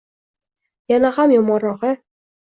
yana ham yomonrog‘i